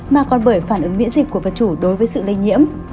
mà còn bởi phản ứng miễn dịch của vật chủ đối với sự lây nhiễm